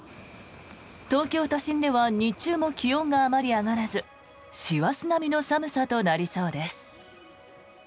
東京都心では日中も気温があまり上がらず師走並みの寒さとなりそうです。